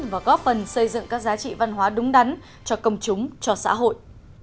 và góp phần xây dựng các giá trị văn hóa đúng đắn cho công chúng cho xã hội